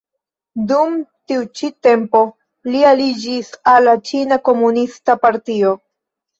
Dum tiu ĉi tempo li aliĝis al la Ĉina Komunista Partio.